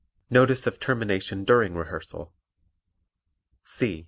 Notice of Termination During Rehearsal C.